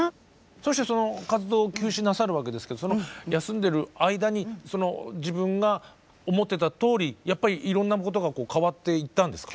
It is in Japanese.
そしてその活動を休止なさるわけですけどその休んでる間に自分が思ってたとおりやっぱりいろんなことが変わっていったんですか？